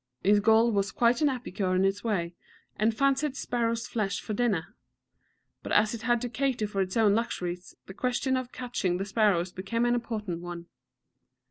His gull was quite an epicure in its way, and fancied sparrows' flesh for dinner. But as it had to cater for its own luxuries, the question of catching the sparrows became an important one.